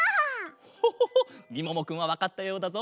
ホホホみももくんはわかったようだぞ。